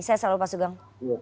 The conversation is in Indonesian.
saya salam pak sugeng